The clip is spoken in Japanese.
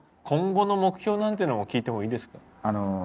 今後の目標なんていうのも聞いてもいいですか？